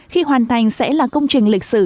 khi hoàn thành sẽ là công trình lịch sử